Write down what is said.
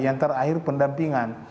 yang terakhir pendampingan